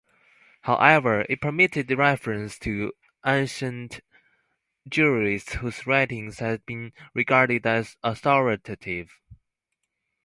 However, it permitted reference to ancient jurists whose writings had been regarded as authoritative.